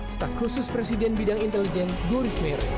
staf khusus presiden bidang intelijen goris mereng